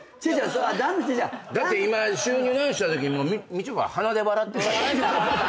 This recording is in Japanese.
だって今収入の話したときみちょぱ鼻で笑ってた。